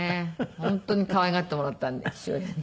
本当に可愛がってもらったんで父親に。